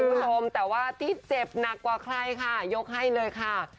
คุณผู้ชมแต่ว่าที่เจ็บหนักกว่าใครค่ะยกให้เลยค่ะ